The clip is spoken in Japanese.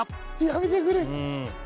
やめてくれ！